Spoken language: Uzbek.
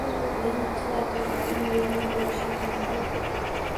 - Men ikki daqiqada millioner bo‘lishim mumkin.